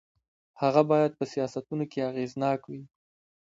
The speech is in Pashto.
هغه باید په سیاستونو کې اغېزناک وي.